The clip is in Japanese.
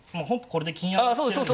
これで金上がってるんで。